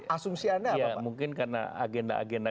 asumsiannya apa pak ya mungkin karena agenda agenda